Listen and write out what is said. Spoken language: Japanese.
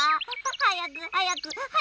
はやくはやくはやくたべよ！